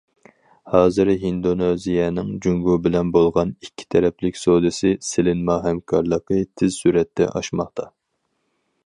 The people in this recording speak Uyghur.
ھازىر ھىندونېزىيەنىڭ جۇڭگو بىلەن بولغان ئىككى تەرەپلىك سودىسى، سېلىنما ھەمكارلىقى تېز سۈرئەتتە ئاشماقتا.